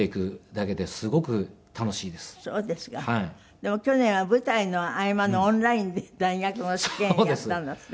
でも去年は舞台の合間のオンラインで大学の試験やったんだって？